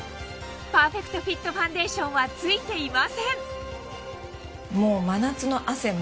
パーフェクトフィットファンデーションはついていません